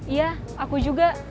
iya aku juga